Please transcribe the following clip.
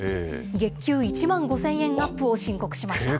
月給１万５０００円アップを申告しました。